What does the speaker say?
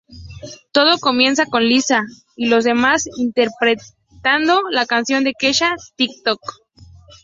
Todo comienza con Lisa y los demás interpretando la canción de Ke$ha "Tik Tok.